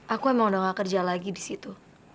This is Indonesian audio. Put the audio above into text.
aku emang udah gak kerja lagi di situ